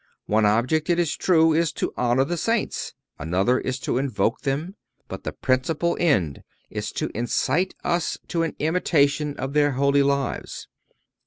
One object, it is true, is to honor the Saints; another is to invoke them; but the principal end is to incite us to an imitation of their holy lives.